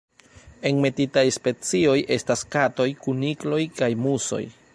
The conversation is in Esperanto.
Enmetitaj specioj estas katoj, kunikloj kaj musoj.